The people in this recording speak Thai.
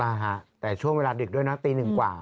ใช่ฮะแต่ช่วงเวลาดึกด้วยนะตีหนึ่งกว่า